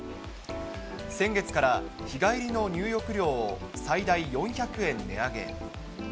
先月から日帰りの入浴料を最大４００円値上げ。